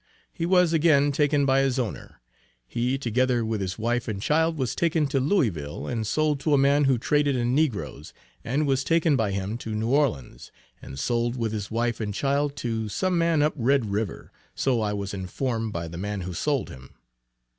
He was again taken by his owner; he together with his wife and child was taken to Louisville and sold to a man who traded in negroes, and was taken by him to New Orleans and sold with his wife and child to some man up Red River, so I was informed by the man who sold him.